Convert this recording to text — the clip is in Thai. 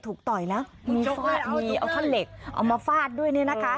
ถูกเตะถูกต่อยนะมีฟาดมีเอาข้าวเหล็กเอามาฟาดด้วยเนี่ยนะคะ